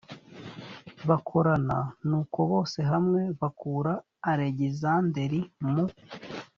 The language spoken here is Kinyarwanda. bakorana nuko bose hamwe bakura alegizanderi mu